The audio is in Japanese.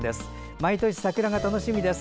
毎年、桜が楽しみです。